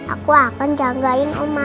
aku akan jagain oma